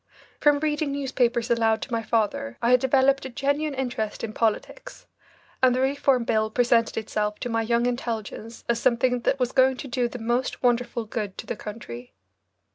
From reading newspapers aloud to my father I had developed a genuine interest in politics, and the Reform Bill presented itself to my young intelligence as something that was going to do the most wonderful good to the country.